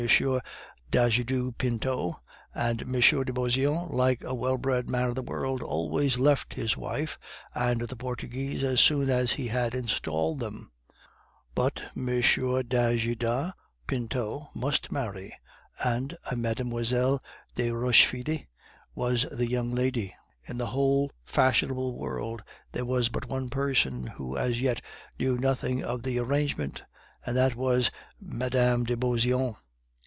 d'Ajuda Pinto; and M. de Beauseant, like a well bred man of the world, always left his wife and the Portuguese as soon as he had installed them. But M. d'Ajuda Pinto must marry, and a Mlle. de Rochefide was the young lady. In the whole fashionable world there was but one person who as yet knew nothing of the arrangement, and that was Mme. de Beauseant.